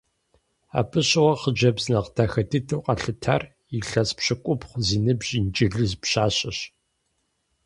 Абы щыгъуэ хъыджэбз нэхъ дахэ дыдэу къалъытар илъэс пщыкӏубгъу зи ныбжь инджылыз пщащэщ.